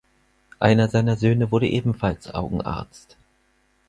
Einer seiner Söhne wurde ebenfalls Augenarzt.